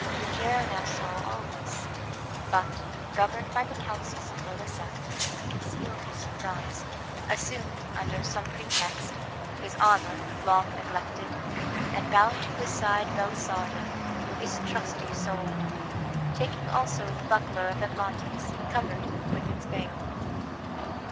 Rogero now saw all this, but, governed by the counsels of Melissa, he concealed his surprise, assumed under some pretext his armor, long neglected, and bound to his side Belisarda, his trusty sword, taking also the buckler of Atlantes, covered with its veil.